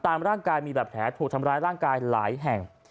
ตามร่างกายมีแบบแผลถูกทำร้ายร่างกายหลายแห่ง